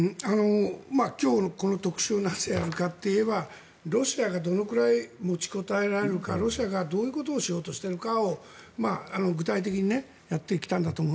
今日のこの特集をなぜやるかといえばロシアがどのくらい持ちこたえられるかロシアがどういうことをしようとしているかを具体的にやってきたんだと思う。